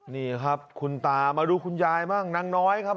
นี่ครับคุณตามาดูคุณยายบ้างนางน้อยครับ